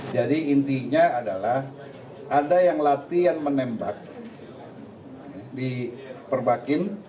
jadi intinya adalah ada yang latihan menembak di perpakim